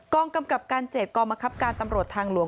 กล้องกำกับการ๗กล้องมหักการตำรวจทางหลวง